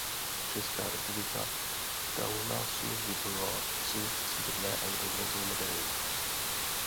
Česká republika v Kaunasu vybojovala tři stříbrné a jednu bronzovou medaili.